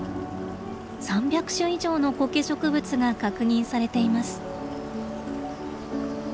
３００種以上のコケ植物が確認されています。